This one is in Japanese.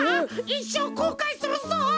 いっしょうこうかいするぞ！